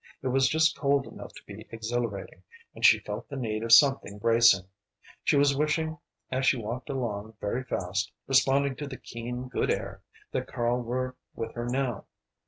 It was just cold enough to be exhilarating, and she felt the need of something bracing. She was wishing as she walked along very fast, responding to the keen, good air, that Karl were with her now.